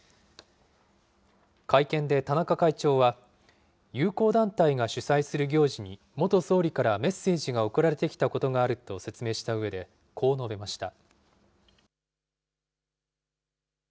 会見で田中会長は、友好団体が主催する行事に、元総理からメッセージが送られてきたことがあると説明したうえで、こう述べました。